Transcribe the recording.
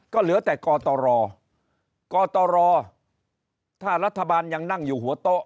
ก็เหลือแต่กตรกตรถ้ารัฐบาลยังนั่งอยู่หัวโต๊ะ